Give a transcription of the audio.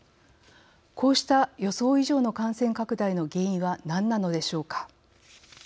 こうした予想以上の感染拡大の原因は何なのでしょうか。